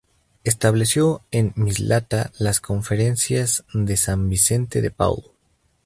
Estableció en Mislata las Conferencias de San Vicente de Paúl.